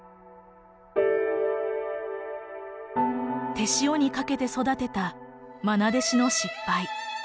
手塩にかけて育てた愛弟子の失敗。